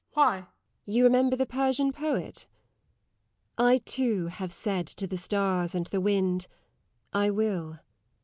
Why? LADY TORMINSTER. You remember the Persian poet? "I too have said to the stars and the wind, I will.